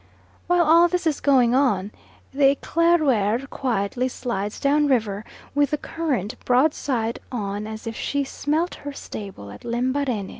While all this is going on, the Eclaireur quietly slides down river, with the current, broadside on as if she smelt her stable at Lembarene.